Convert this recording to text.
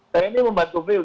tni membantu pemilu